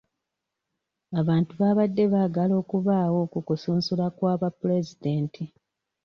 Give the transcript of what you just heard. Abantu baabadde baagala okubaawo ku kusunsulwa kwa ba pulezidenti.